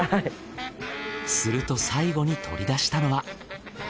すると最後に取り出したのは。